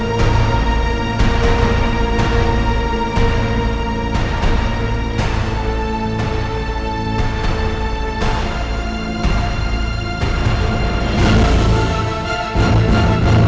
sehingga pada akhir minggu